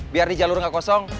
biar di jalur nggak kosong